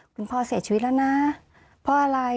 คุณพ่อเสียชีวิตแล้วนะเพราะอะไร